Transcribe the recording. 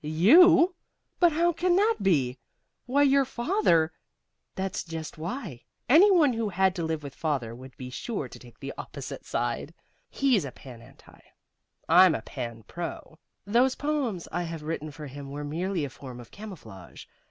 "YOU? But how can that be? Why, your father " "That's just why. Any one who had to live with Father would be sure to take the opposite side. He's a Pan Anti. I'm a Pan Pro. Those poems I have written for him were merely a form of camouflage.